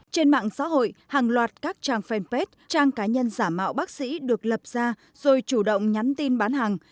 trên mạng xã hội hàng loạt các trang fanpage trang cá nhân giả mạo bác sĩ được lập ra rồi chủ động nhắn tin bán hàng